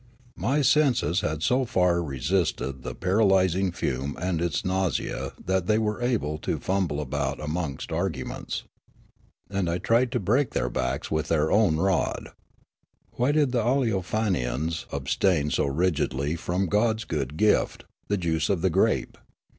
M}' senses had so far resisted the paralysing fume aiid its nausea that they were able to fumble about amongst arguments. And I tried to break their backs with their own rod. " Why did the Aleofanians abstain so rigidly from God's good gift, the juice of the grape